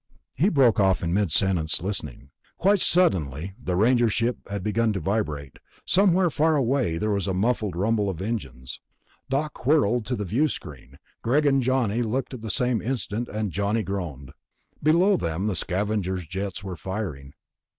He broke off in mid sentence, listening. Quite suddenly, the Ranger ship had begun to vibrate. Somewhere, far away, there was the muffled rumble of engines. Doc whirled to the viewscreen. Greg and Johnny looked at the same instant, and Johnny groaned. Below them, the Scavenger's jets were flaring.